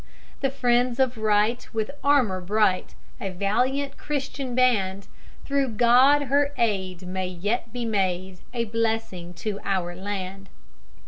The friends of right, with armor bright, a valiant Christian band, through God her aid may yet be made, a blessing to our land."